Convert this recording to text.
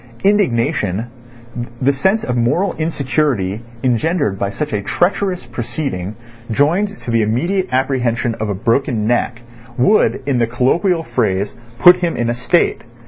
Indignation, the sense of moral insecurity engendered by such a treacherous proceeding joined to the immediate apprehension of a broken neck, would, in the colloquial phrase, put him in a state.